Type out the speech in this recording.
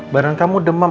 barang kamu demam